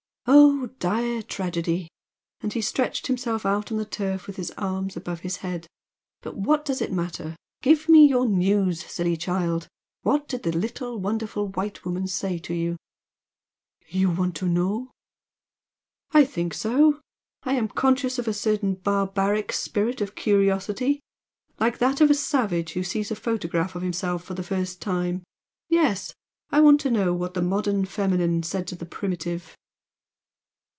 "Oh, dire tragedy!" And he stretched himself out on the turf with his arms above his head "But what does it matter! Give me your news, silly child! What did the 'little wonderful white woman' say to you?" "You want to know?" "I think so! I am conscious of a certain barbaric spirit of curiosity, like that of a savage who sees a photograph of himself for the first time! Yes! I want to know what the modern feminine said to the primitive!"